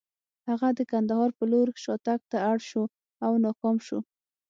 هغه د کندهار په لور شاتګ ته اړ شو او ناکام شو.